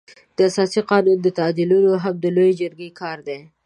د اساسي قانون تعدیلول هم د لويې جرګې کار دی.